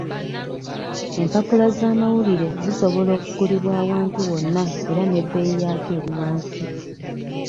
Empapula z'amawulire zisobola okugulibwa awantu wonna era n'ebbeeyi yaago eri wansi.